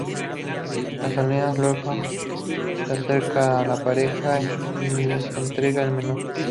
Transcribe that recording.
Azalea luego se acerca a la pareja y les entrega el menú.